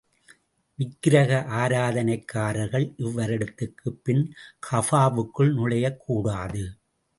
விக்கிரக ஆராதனைக்காரர்கள், இவ்வருடத்துக்குப் பின் கஃபாவுக்குள் நுழையக் கூடாது.